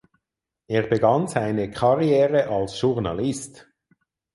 Er begann seine Karriere als Journalist.